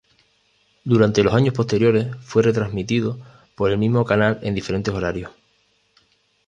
Durante los años posteriores fue retransmitido por el mismo canal en diferentes horarios.